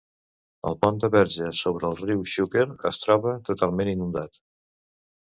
El pont de Verges sobre el riu Xúquer es troba totalment inundat.